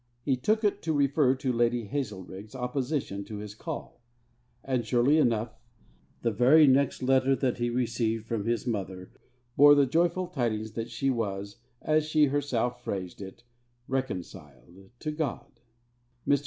He took it to refer to Lady Hazelrigg's opposition to his call; and, surely enough, 'the very next letter that he received from his mother bore the joyful tidings that she was, as she herself phrased it, reconciled to God.' Mr.